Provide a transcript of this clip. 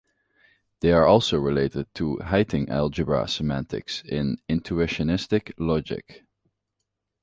They are also related to Heyting algebra semantics in intuitionistic logic.